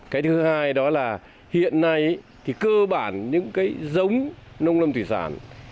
cái thứ hai đó là hiện nay thì cơ bản những cái giống nông lâm thủy sản